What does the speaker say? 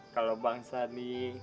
kalau bang sani